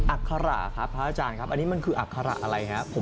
อัคระครับพระอาจารย์ครับอันนี้มันคืออัคระอะไรครับ